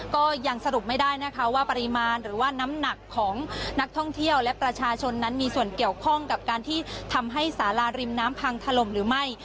ก็ยังสรุปไม่ได้นะคะว่าปริมาณหรือว่าน้ำหนักของนักท่องเที่ยวและประชาชนนั้นมีส่วนเกี่ยวข้องกับการที่ทำให้สาราริมน้ำพังถล่มหรือไม่